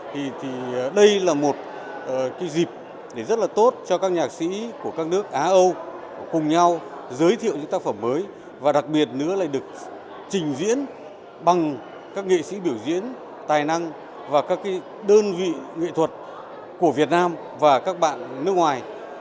thì đây là một cái dịp để rất là tốt cho các nhạc sĩ của các nước á âu cùng nhau giới thiệu những tác phẩm mới và đặc biệt nữa lại được trình diễn bằng các nghệ sĩ biểu diễn tài năng và các đơn vị nghệ thuật của việt nam và các bạn nước ngoài